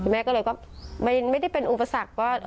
แม่ก็เลยก็ไม่ได้เป็นอุปสรรคว่า